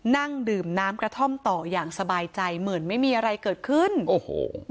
นั่งดื่มน้ำกระท่อมต่ออย่างสบายใจเหมือนไม่มีอะไรเกิดขึ้นโอ้โห